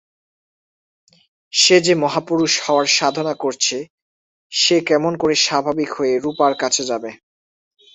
সে যে মহাপুরুষ হওয়ার সাধনা করছে সে কেমন করে স্বাভাবিক হয়ে রূপার কাছে যাবে।